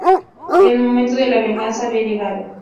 El momento de la venganza había llegado.